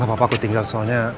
apa apa aku tinggal soalnya